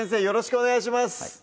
よろしくお願いします